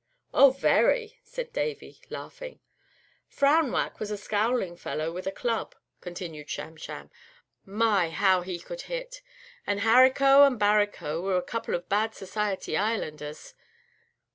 "Oh, very!" said Davy, laughing. "Frown Whack was a scowling fellow with a club," continued Sham Sham. "My! how he could hit! And Harico and Barico were a couple of bad Society Islanders.